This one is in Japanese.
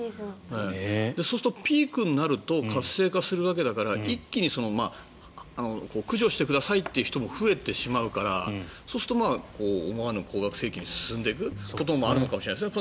そうすると、ピークになると活性化するわけだから一気に駆除してくださいという人も増えてしまうからそうすると、思わぬ高額請求に進んでいくこともあるのかもしれないですね。